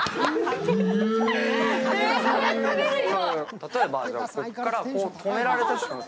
例えば、ここから止められたとします。